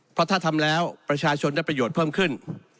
เพราะถ้าทำแล้วประชาชนได้ประโยชน์เพิ่มขึ้น